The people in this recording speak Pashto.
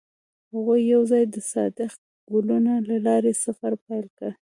هغوی یوځای د صادق ګلونه له لارې سفر پیل کړ.